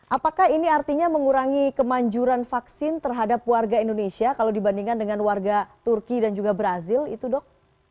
apakah ini artinya mengurangi kemanjuran vaksin terhadap warga indonesia kalau dibandingkan dengan warga turki dan juga brazil itu dok